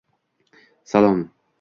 Salom.